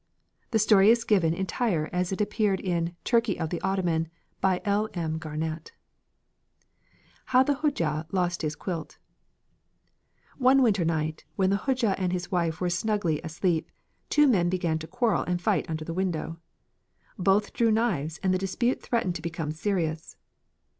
The story is given entire as it appeared in "Turkey of the Ottoman" by L. M. Garnett: HOW THE HODJA LOST HIS QUILT "One winter's night, when the Hodja and his wife were snugly asleep, two men began to quarrel and fight under the window. Both drew knives and the dispute threatened to become serious.